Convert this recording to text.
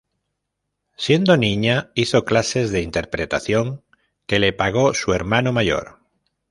Siendo niña, hizo clases de interpretación que le pagó su hermano mayor.